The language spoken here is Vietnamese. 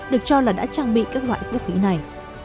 được cho là đã trang bị các loại vũ khí này